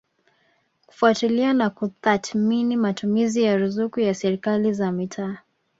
kufuatilia na kutathimini matumizi ya ruzuku ya Serikali za Mitaa